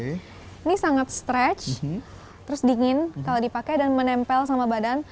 ini sangat stretch terus dingin kalau dipakai dan menempel sama badan